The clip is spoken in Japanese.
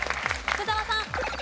福澤さん。